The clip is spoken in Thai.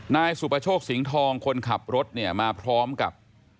นายสุประโชคสิงห์ทองคนขับรถเนี่ยมาพร้อมกับ